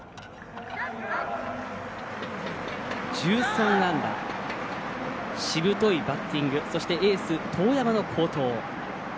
１３安打、しぶといバッティングそしてエース、當山の好投。